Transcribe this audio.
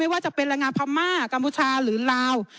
ว่าจะเป็นแรงงานพม่ากัมพูชาหรือลาว